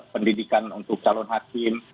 pendidikan untuk calon hakim